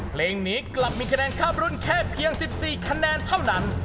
เพลงนี้กลับมีคะแนนข้ามรุ่นแค่เพียง๑๔คะแนนเท่านั้น